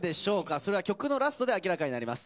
それは曲のラストで明らかになります。